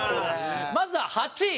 まずは８位。